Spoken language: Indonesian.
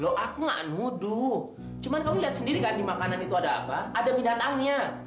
loh aku nggak muduh cuman kamu lihat sendiri kan di makanan itu ada apa ada binatangnya